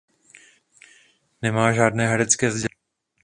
Nemá žádné herecké vzdělání.